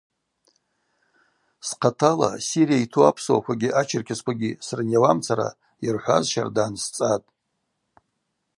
Схъатала Сирия йту апсуакви ачеркескви срынйауамцара йырхӏваз щарда ансцӏатӏ.